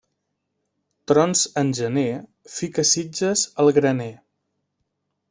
Trons en gener, fica sitges al graner.